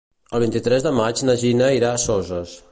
El vint-i-tres de maig na Gina irà a Soses.